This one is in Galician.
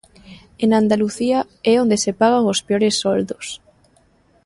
En Andalucía é onde se pagan os peores soldos.